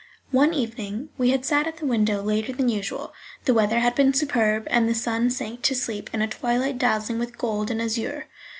One evening we had sat at the window later than usual; the weather had been superb, and the sun sank to sleep in a twilight dazzling with gold and azure.